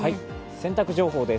洗濯情報です。